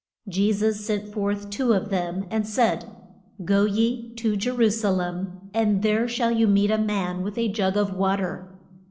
Je sus sent forth two of them and said, Go ye to Je ru sa lem, and there shall meet you a man with a jug of wa ter.